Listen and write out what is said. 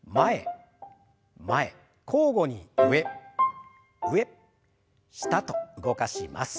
交互に上上下と動かします。